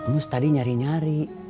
mus tadi nyari nyari